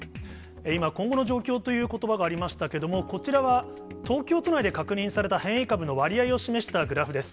今、今後の状況ということばがありましたけれども、こちらは東京都内で確認された変異株の割合を示したグラフです。